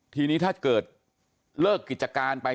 ทีนี้ถ้าเกิดเลิกกิจการไป